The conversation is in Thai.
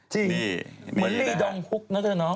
เหมือนลีดองฮุกนะเธอเนาะ